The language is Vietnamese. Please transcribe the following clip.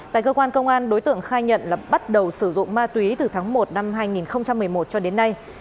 tại cơ quan công an đối tượng khai nhận là bắt đầu sử dụng ma túy từ tháng một năm hai nghìn một mươi một cho đến nay